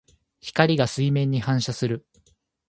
光が水面に反射する。